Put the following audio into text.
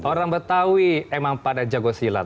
orang betawi emang pada jago silat